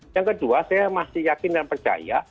yang kedua saya masih yakin dan percaya